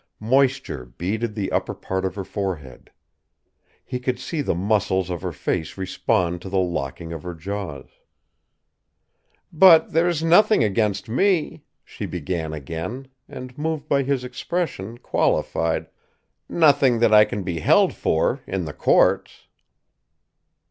Moisture beaded the upper part of her forehead. He could see the muscles of her face respond to the locking of her jaws. "But there's nothing against me," she began again, and, moved by his expression, qualified: "nothing that I can be held for, in the courts."